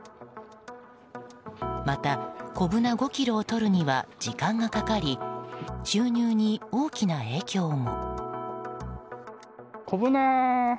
また、コブナ５ｋｇをとるには時間がかかり収入に大きな影響も。